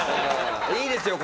いいですよ。